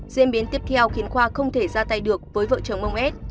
diễn biến tiếp theo khiến khoa không thể ra tay được với vợ chồng ông s